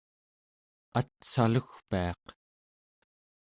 atsalugpiaq